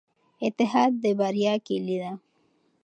اتحاد د بریا کیلي ده.